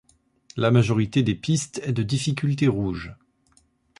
La majorité des pistes est de difficulté rouge.